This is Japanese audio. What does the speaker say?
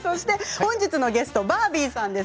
本日のゲストはバービーさんです。